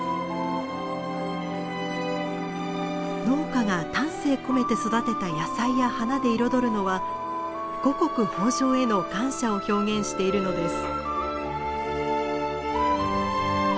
農家が丹精込めて育てた野菜や花で彩るのは五穀豊穣への感謝を表現しているのです。